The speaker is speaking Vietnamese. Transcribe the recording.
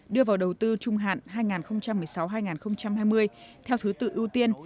đưa vào đầu tư trung hạn hai nghìn một mươi sáu hai nghìn hai mươi theo thứ tự ưu tiên